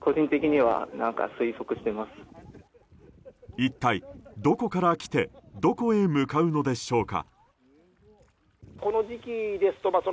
一体、どこから来てどこへ向かうのでしょうか。